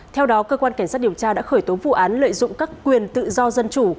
theo đó cơ quan cảnh sát điều tra đã khởi tố vụ án lợi dụng các quyền tự do dân chủ